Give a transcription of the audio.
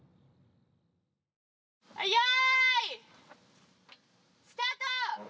はいよいスタート！